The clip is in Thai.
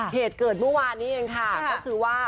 เหตุเกิดเมื่อวานนี้เองค่ะ